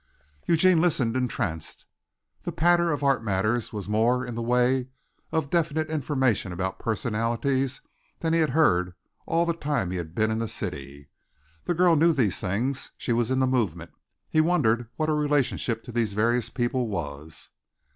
Eugene listened entranced. This patter of art matters was more in the way of definite information about personalities than he had heard during all the time he had been in the city. The girl knew these things. She was in the movement. He wondered what her relationship to these various people was?